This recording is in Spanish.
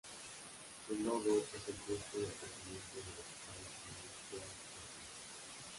Su logo es el busto del presidente de los Estados Unidos George Washington.